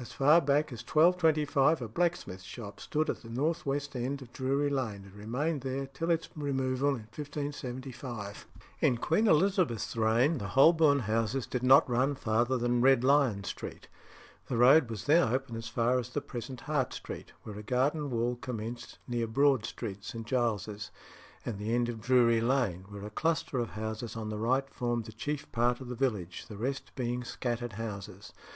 As far back as 1225 a blacksmith's shop stood at the north west end of Drury Lane, and remained there till its removal in 1575. In Queen Elizabeth's reign the Holborn houses did not run farther than Red Lion Street; the road was then open as far as the present Hart Street, where a garden wall commenced near Broad Street, St. Giles's, and the end of Drury Lane, where a cluster of houses on the right formed the chief part of the village, the rest being scattered houses.